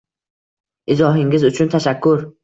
Izohingiz uchun tashakkur.